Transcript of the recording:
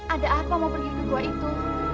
ada apa mau pergi ke gua itu